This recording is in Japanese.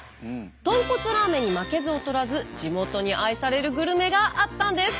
豚骨ラーメンに負けず劣らず地元に愛されるグルメがあったんです。